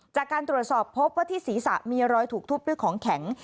จากการตรวจสอบพบว่าที่ศีรษะมีรอยถูกทุบด้วยของแข็ง